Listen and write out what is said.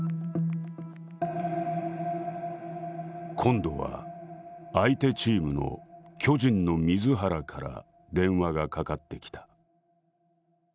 「今度は相手チームの巨人の水原から電話がかかってきた」。